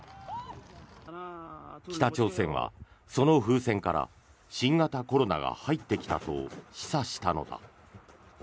北朝鮮はその風船から新型コロナが入ってきたと示唆したのだ。